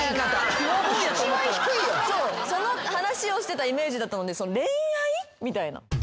その話をしてたイメージだったので恋愛？みたいな。